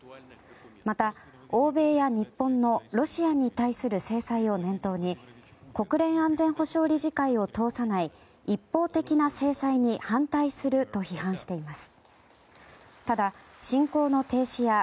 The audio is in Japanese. また欧米や日本のロシアに対する制裁を念頭に国連安全保障理事会を通さない一方的な制裁に反対すると批判しています。